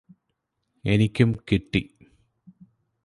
എനിക്കും കിട്ടി.